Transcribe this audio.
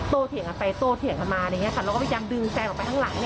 โต้เถียกกันไปโต้เถียกกันมาเราก็พยายามดึงแฟนออกไปทางหลัง